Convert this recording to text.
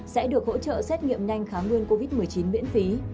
sẽ được hỗ trợ xét nghiệm nhanh kháng nguyên covid một mươi chín miễn phí